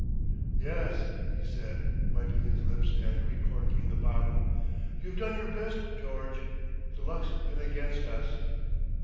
"Yes," he said, wiping his lips and recorking the bottle. "You've done your best, George. The luck's been against us."